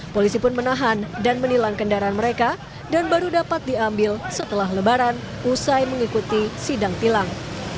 polisi pun menahan dan menilang kendaraan mereka dan baru dapat diambil setelah lebaran usai mengikuti sidang tilang